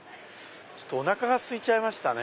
おなかがすいちゃいましたね。